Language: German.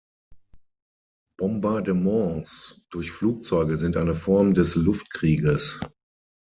Bombardements durch Flugzeuge sind eine Form des Luftkrieges.